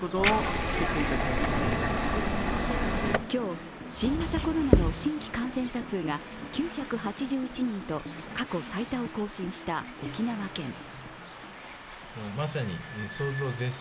今日、新型コロナの新規感染者数が９８１人と過去最多を更新した沖縄県。